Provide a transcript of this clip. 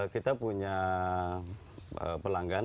kita punya pelanggan